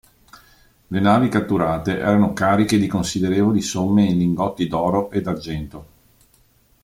Le navi catturate erano cariche di considerevoli somme in lingotti d'oro e d'argento.